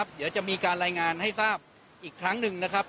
เดี๋ยวจะมีการรายงานให้ทราบอีกครั้งหนึ่งนะครับ